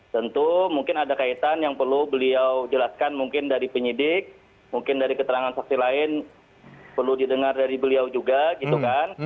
tentu mungkin ada kaitan yang perlu beliau jelaskan mungkin dari penyidik mungkin dari keterangan saksi lain perlu didengar dari beliau juga gitu kan